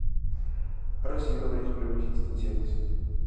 Ha recibido varios premios y distinciones.